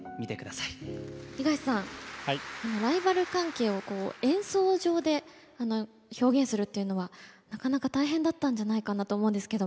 東さんライバル関係をこう演奏上で表現するっていうのはなかなか大変だったんじゃないかなと思うんですけどもどうでしたか？